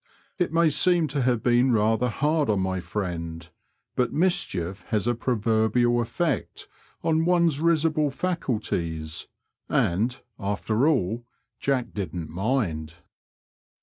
It may seem to have been rather hard on my friend, but mischief has a proverbial effect on one's risible faculties, and, after all. Jack didn't mind.